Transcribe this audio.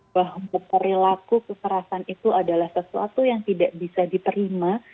bahwa perilaku kekerasan itu adalah sesuatu yang tidak bisa diterima